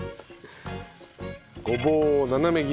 ごぼうを斜め切り。